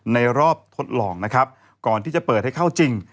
ในรอบทดลองนะครับก่อนที่จะเปิดให้เข้าจริง